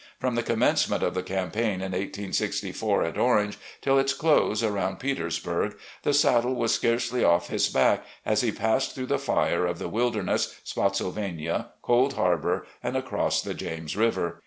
From the commencement of the campaign in 1864 at Orange, till its close around Peters burg, the saddle was scarcely off his back, as he passed through the fire of the Wildemesss, Spottsylvania, Cold Harbour, and across the James River.